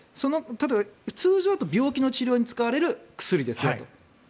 通常だと病気の治療に使われる薬ですよと。